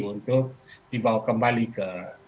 untuk dibawa kembali ke kampung halaman